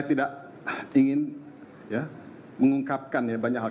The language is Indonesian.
saya tidak ingin mengungkapkan ya banyak hal